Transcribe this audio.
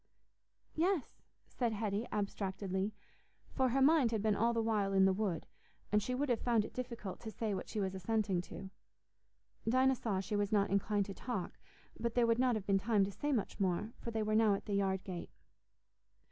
"Yes," said Hetty abstractedly, for her mind had been all the while in the wood, and she would have found it difficult to say what she was assenting to. Dinah saw she was not inclined to talk, but there would not have been time to say much more, for they were now at the yard gate.